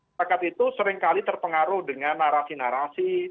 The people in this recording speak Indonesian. masyarakat itu seringkali terpengaruh dengan narasi narasi